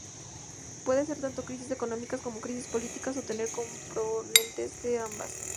Pueden ser tanto crisis económicas como crisis políticas, o tener componentes de ambas.